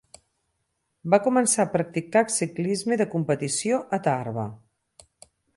Va començar a practicar ciclisme de competició a Tarba.